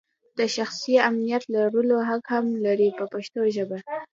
د شخصي امنیت لرلو حق هم لري په پښتو ژبه.